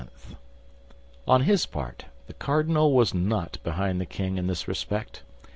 On his part, the cardinal was not behind the king in this respect.